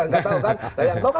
nggak tahu kan